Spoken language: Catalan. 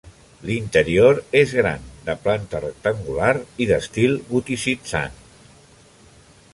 L'interior és gran, de planta rectangular i d'estil goticitzant.